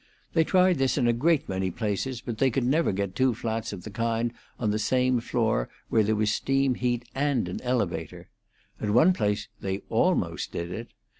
They tried this in a great many places, but they never could get two flats of the kind on the same floor where there was steam heat and an elevator. At one place they almost did it.